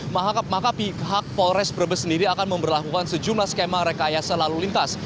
maka pihak polres brebes sendiri akan memperlakukan sejumlah skema rekayasa lalu lintas